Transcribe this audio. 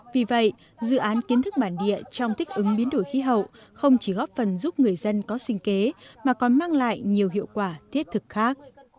vì vậy dự án kiến thức bản địa trong thích ứng biến đổi khí hậu không chỉ góp phần giúp người dân có sinh kế mà còn mang lại nhiều hiệu quả thiết thực khác